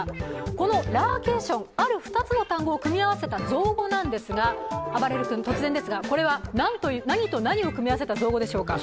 このラーケーションある２つの単語を組み合わせた造語なんですがあばれる君、突然ですがこれは何と何を組み合わせた造語でしょうか？